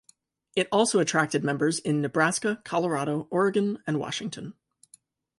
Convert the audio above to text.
It also attracted members in Nebraska, Colorado, Oregon and Washington.